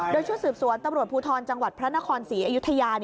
โดยชุดสืบสวนตำรวจภูทรจังหวัดพระนครศรีอยุธยา